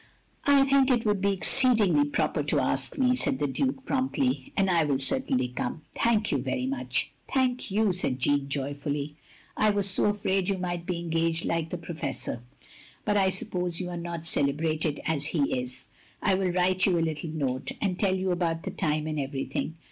" "I think it would be exceedingly proper to ask me,*' said the Duke, promptly, "and I will certainly come. Thank you very much. " Thank yoii," said Jeanne, jojrfully. " I was so afraid you might be engaged like the Professor; but I suppose you are not celebrated, as he is. I will write you a little note, and tell you about the time and everything.